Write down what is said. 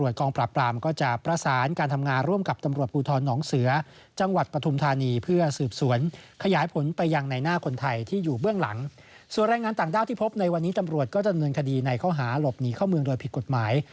จะหลบหนีเข้าเมืองโดยผิดกฎหมาย